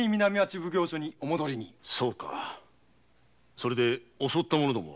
それで襲った者どもは？